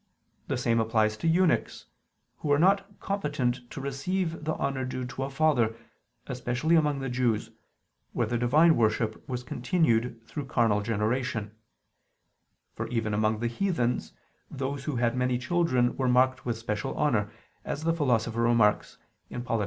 The same applies to eunuchs, who were not competent to receive the honor due to a father, especially among the Jews, where the divine worship was continued through carnal generation: for even among the heathens, those who had many children were marked with special honor, as the Philosopher remarks (Polit.